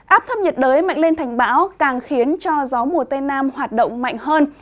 áp thấp nhiệt đới mạnh lên thành bão càng khiến cho gió mùa tây nam hoạt động mạnh hơn